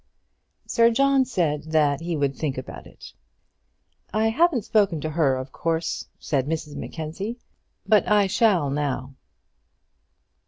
Sir John said that he would think about it. "I haven't spoken to her, of course," said Mrs Mackenzie; "but I shall now."